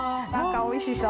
おいしそう。